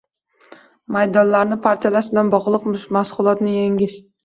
maydonlarni parchalash bilan bog‘liq mushkulotlarni yengish